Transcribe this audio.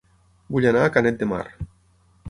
Vull anar a Canet de Mar